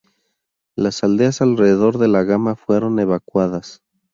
Las aldeas alrededor de la gama fueron evacuadas.